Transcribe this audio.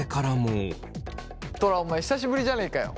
トラお前久しぶりじゃねえかよ。